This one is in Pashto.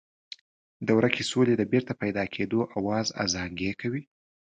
د ورکې سولې د بېرته پیدا کېدو آواز ازانګې کوي.